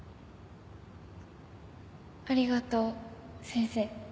ありがとう先生。